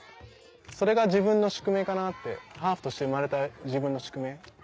それが自分の宿命かなってハーフとして生まれた自分の宿命。